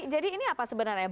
jadi ini apa sebenarnya